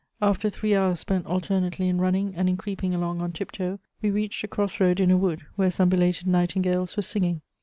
After three hours spent alternately in running and in creeping along on tiptoe, we reached a cross road in a wood where some belated nightingales were singing.